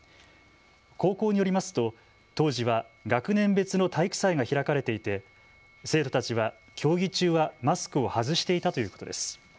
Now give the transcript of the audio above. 高校によりますと当時は学年別の体育祭が開かれていて生徒たちは競技中はマスクを外していたということです。